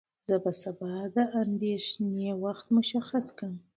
زه به سبا د اندېښنې وخت مشخص کړم.